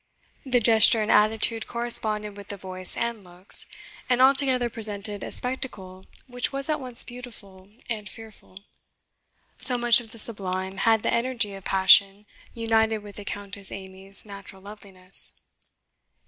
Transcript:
The gesture and attitude corresponded with the voice and looks, and altogether presented a spectacle which was at once beautiful and fearful; so much of the sublime had the energy of passion united with the Countess Amy's natural loveliness.